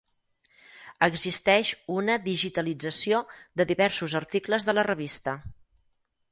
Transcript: Existeix una digitalització de diversos articles de la revista.